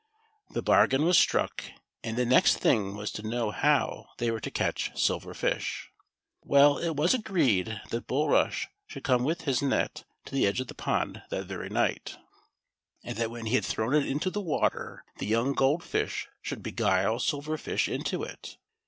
The bargain was struck, and the next thing was to know how they were to catch Silver Fish. Well, it was agreed that Bulrush should come with his net to §8 THE SILVER FISH. the edge of the pond that very night, and that when he had thrown it into the water, the young Gold Fish should beguile Silver Fish into it.